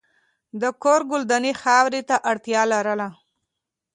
د کور ګلداني خاورې ته اړتیا لرله.